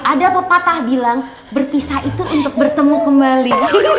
ada pepatah bilang berpisah itu untuk bertemu kembali